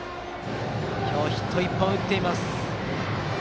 今日、ヒット１本打っています。